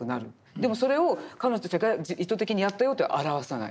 でもそれを彼女が意図的にやったよと表さない。